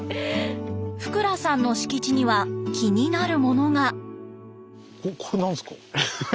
福羅さんの敷地には気になるものが。